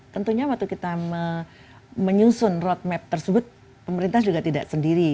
tentunya waktu kita menyusun roadmap tersebut pemerintah juga tidak sendiri